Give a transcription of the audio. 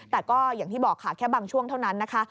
แต่ก็อย่างที่บอกค่ะแค่บางช่วงเท่านั้นนะคะ